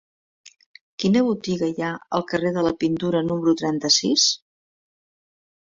Quina botiga hi ha al carrer de la Pintura número trenta-sis?